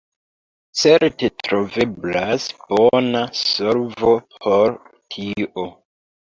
Certe troveblas bona solvo por tio.